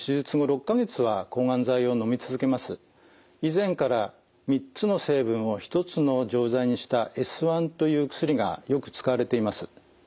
以前から３つの成分を１つの錠剤にしたＳ−１という薬がよく使われています。